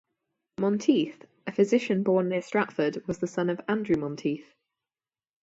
Monteith, a physician born near Stratford, was the son of Andrew Monteith.